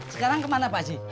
sekarang kemana pak ji